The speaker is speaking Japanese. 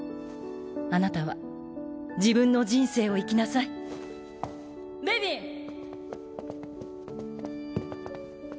あなたは自分の人生を生きなさいベビン！